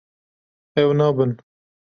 Ew nabin.